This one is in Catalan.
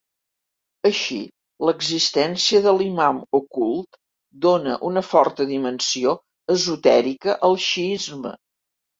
Així, l'existència de l'Imam Ocult dóna una forta dimensió esotèrica al xiisme.